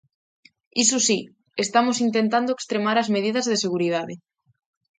Iso si, estamos intentando extremar as medidas de seguridade.